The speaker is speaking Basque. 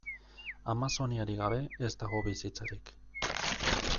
Amazoniarik gabe ez dago bizitzarik.